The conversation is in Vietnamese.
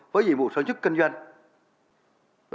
với dịch vụ sở chức kinh doanh